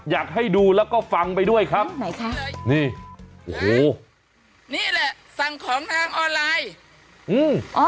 อยากให้ดูแล้วก็ฟังไปด้วยครับไหนคะนี่โอ้โหนี่แหละสั่งของทางออนไลน์อืมอ๋อ